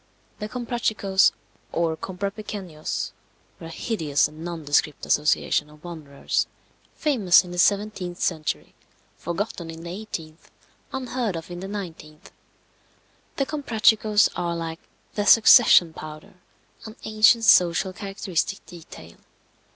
The Comprachicos, or Comprapequeños, were a hideous and nondescript association of wanderers, famous in the 17th century, forgotten in the 18th, unheard of in the 19th. The Comprachicos are like the "succession powder," an ancient social characteristic detail.